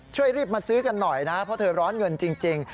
ช่วยรีบมาซื้อกันหน่อยนะเพราะเธอร้อนเงินจริง